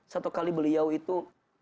satu kali beliau itu